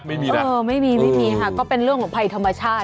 ไม่มีค่ะก็เป็นเรื่องของภัยธรรมชาติ